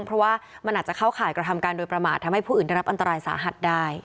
เพราะว่ามันอาจจะเข้าข่ายกระทำการโดยประมาททำให้ผู้อื่นได้รับอันตรายสาหัสได้